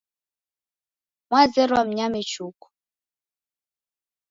Mwazerwa mnyame chuku.